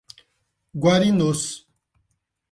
Guarinos